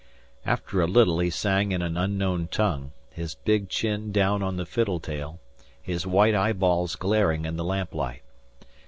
After a little he sang, in an unknown tongue, his big chin down on the fiddle tail, his white eyeballs glaring in the lamplight.